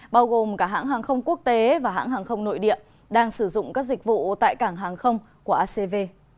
bao gồm cả hãng hàng không quốc tế và hãng hàng không nội địa đang sử dụng các dịch vụ tại cảng hàng không của acv